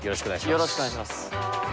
よろしくお願いします。